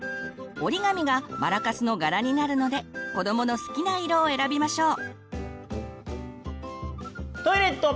折り紙がマラカスの柄になるので子どもの好きな色を選びましょう。